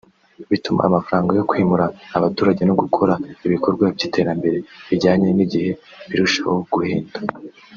bituma amafaranga yo kwimura abaturage no gukora ibikorwa by’iterambere bijyanye n’igihe birushaho guhenda